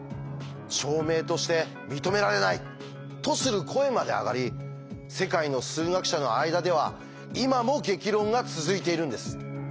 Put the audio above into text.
「証明として認められない！」とする声まで上がり世界の数学者の間では今も激論が続いているんです。